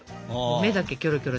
目だけキョロキョロ。